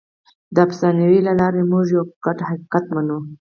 د افسانو له لارې موږ یو ګډ حقیقت منو.